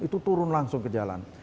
itu turun langsung ke jalan